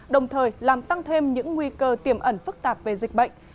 đồng thời làm tăng thêm những nguy cơ tiềm ẩn phức tạp về dịch bệnh